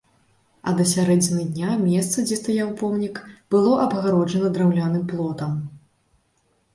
А да сярэдзіны дня месца, дзе стаяў помнік, было абгароджана драўляным плотам.